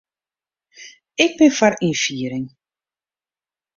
Ik bin foar ynfiering.